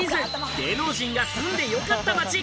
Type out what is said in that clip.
芸能人が住んでよかった街。